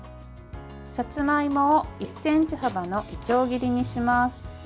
さつまいもを１ｃｍ幅のいちょう切りにします。